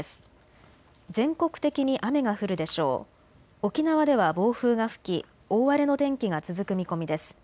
沖縄では暴風が吹き大荒れの天気が続く見込みです。